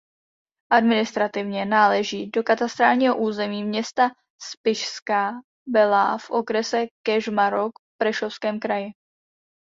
Administrativně náleží do katastrálního území města Spišská Belá v okrese Kežmarok v Prešovském kraji.